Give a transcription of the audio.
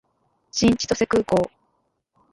新千歳空港